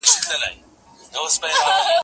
بوټونه د مور له خوا پاکيږي